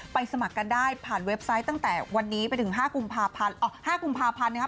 สมัครกันได้ผ่านเว็บไซต์ตั้งแต่วันนี้ไปถึง๕กุมภาพันธ์๕กุมภาพันธ์นะครับ